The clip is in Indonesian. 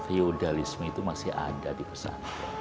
feodalisme itu masih ada di pesan